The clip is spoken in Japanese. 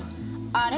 「あれ？